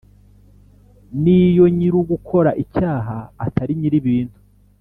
n iyo nyir ugukora icyaha atari nyir ibintu